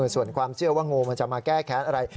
ส่วนความเชื่อว่างูมันจะมาแก้แค้นอะไร